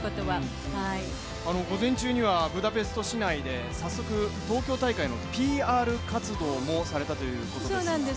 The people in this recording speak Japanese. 午前中にはブダペスト市内で早速東京大会のＰＲ活動もされたということですが？